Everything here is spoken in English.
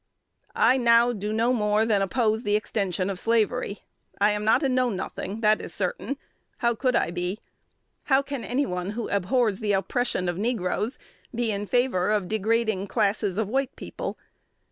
I now do no more than oppose the extension of slavery. I am not a Know Nothing: that is certain. How could I be? How can any one who abhors the oppression of negroes be in favor of degrading classes of white people?